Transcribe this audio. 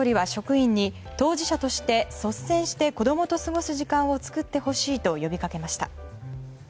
岸田総理は職員に当事者として率先して子供と過ごす時間を作ってほしいと呼びかけました。